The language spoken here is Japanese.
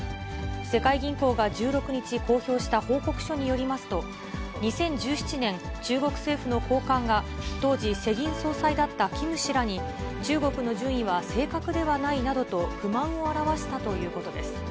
世界銀行が１６日、公表した報告書によりますと、２０１７年、中国政府の高官が、当時、世銀総裁だったキム氏らに、中国の順位は正確ではないなどと、不満を表したということです。